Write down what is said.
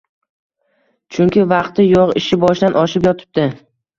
Chunki vaqti yo‘q, ishi boshidan oshib yotibdi...